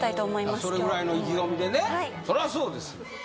今日それぐらいの意気込みでねそらそうですよ